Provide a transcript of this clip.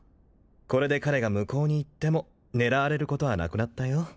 これで彼が向こうに行っても狙われることはなくなったよ